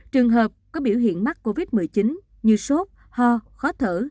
trường hợp có biểu hiện mắc covid một mươi chín như sốt ho khó thở